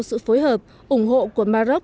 sự phối hợp ủng hộ của maroc